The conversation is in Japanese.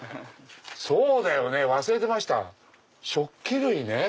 そうだよね忘れてました食器類ね。